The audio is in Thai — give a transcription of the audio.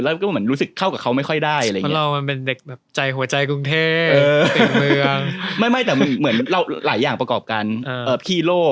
แล้วก็เหมือนรู้สึกเข้ากับเขาไม่ค่อยได้อะไรอย่างนี้